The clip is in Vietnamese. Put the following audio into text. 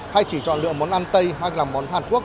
hay chỉ chọn lựa món ăn tây hay là món hàn quốc